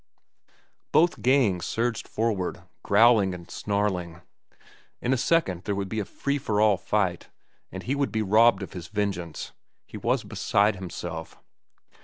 Both gangs surged forward, growling and snarling. In a second there would be a free for all fight, and he would be robbed of his vengeance. He was beside himself.